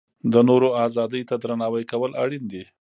د نورو ازادۍ ته درناوی کول اړین دي.